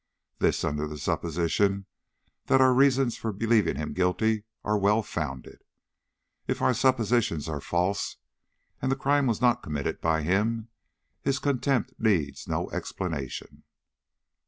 This under the supposition that our reasons for believing him guilty are well founded. If our suppositions are false, and the crime was not committed by him, his contempt needs no explanation."